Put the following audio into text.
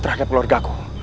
berhadap keluarga ku